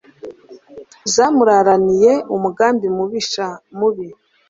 Zamuraraniye umugambi mubisha mubi